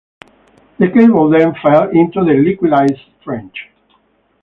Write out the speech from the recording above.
The cable then fell into the liquidized trench.